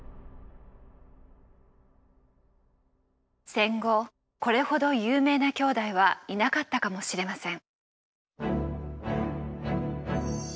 戦後これほど有名な兄弟はいなかったかもしれません。